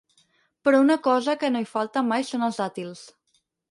Però una cosa que no hi falta mai són els dàtils.